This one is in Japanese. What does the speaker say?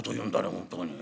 本当に。